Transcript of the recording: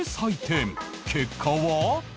結果は？